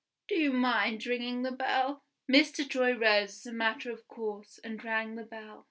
Do you mind ringing the bell?" Mr. Troy rose, as a matter of course, and rang the bell.